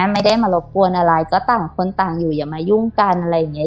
ไม่ได้มารบกวนอะไรก็ต่างคนต่างอยู่อย่ามายุ่งกันอะไรอย่างนี้